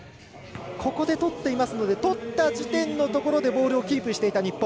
ここで取っていますので取った時点のところでボールをキープしていた日本。